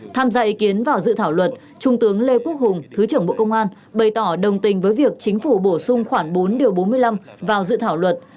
tham gia ý kiến vào dự thảo luật trung tướng lê quốc hùng thứ trưởng bộ công an bày tỏ đồng tình với việc chính phủ bổ sung khoảng bốn bốn mươi năm vào dự thảo luật